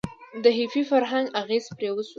د هیپي فرهنګ اغیز پرې وشو.